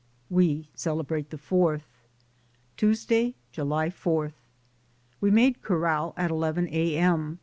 WE CELEBRATE THE EOURTH. Tuesday, July 4. We made corral at eleven a.m.